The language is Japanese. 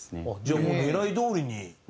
じゃあもう狙いどおりに。